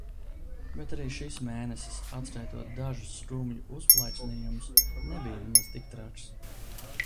Bet arī šis mēnesis, atskaitot dažus skumju uzplaiksnījumus, nebija nemaz tik traks.